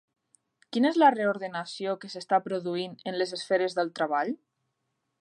Quina és la reordenació que s’està produint en les esferes del treball?